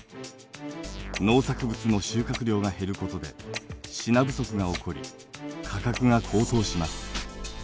農作物の収穫量が減ることで品不足が起こり価格が高騰します。